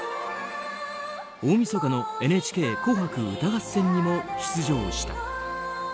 大みそかの「ＮＨＫ紅白歌合戦」にも出場した。